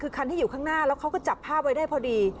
คือคันที่อยู่ข้างหน้าแล้วเขาก็จับภาพไว้ได้พอดี